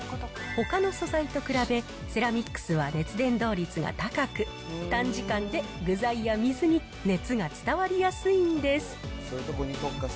ほかの素材と比べ、セラミックスは熱伝導率が高く、短時間で具材や水に熱が伝わりやすいんです。